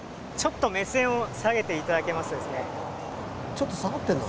ちょっと下がってんの？